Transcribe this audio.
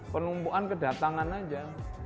penumpuan kedatangan saja